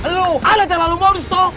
lu anda terlalu modus toh